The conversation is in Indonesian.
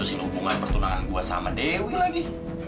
sini hubungan pertunangan gue sama dewi lagi